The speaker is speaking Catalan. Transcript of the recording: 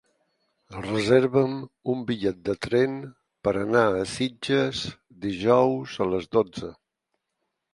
Reserva'm un bitllet de tren per anar a Sitges dijous a les dotze.